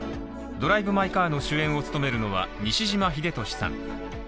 「ドライブ・マイ・カー」の主演を務めるのは西島秀俊さん。